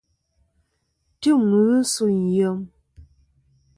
Tim ghi sûyn yem.